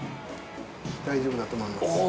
大丈夫だと思います。